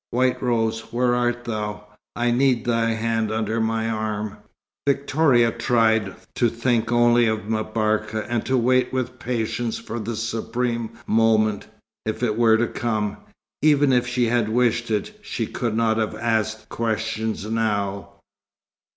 White Rose, where art thou? I need thy hand under my arm." Victoria tried to think only of M'Barka, and to wait with patience for the supreme moment if it were to come. Even if she had wished it, she could not have asked questions now.